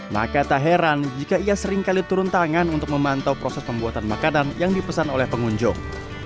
maka tak heran jika ia seringkali turun tangan untuk memantau proses pembuatan makanan yang dipesan oleh pengunjung